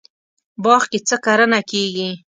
باغ کې څه کرنه کیږي؟